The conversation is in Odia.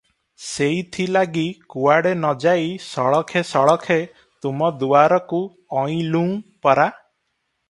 ସେଇଥିଲାଗି କୁଆଡ଼େ ନ ଯାଇ ସଳଖେ ସଳଖେ ତୁମ ଦୁଆରକୁ ଅଇଲୁଁ ପରା!